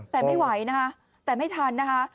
แต่ไม่ไหวนะคะแต่ไม่ทันนะคะ